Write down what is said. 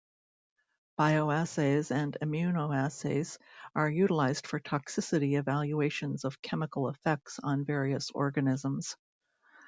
Bioassays and immunoassays are utilized for toxicity evaluations of chemical effects on various organisms.